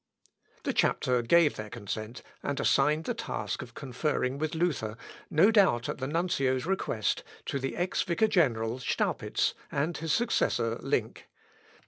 The Chapter gave their consent, and assigned the task of conferring with Luther, no doubt at the nuncio's request, to the ex vicar general, Staupitz, and his successor Link.